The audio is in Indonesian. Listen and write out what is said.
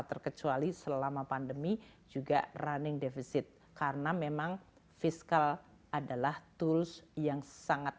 terkecuali selama pandemi juga running defisit karena memang fiskal adalah tools yang sangat